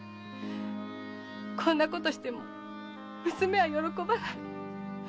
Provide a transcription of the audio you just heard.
こんなことしても娘は喜ばない！